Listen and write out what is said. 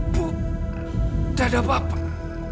bu dada bapak